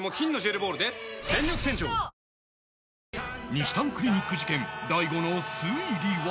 にしたんクリニック事件大悟の推理は？